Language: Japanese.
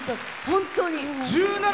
本当に！